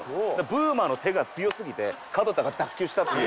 ブーマーの手が強すぎて門田が脱臼したっていう。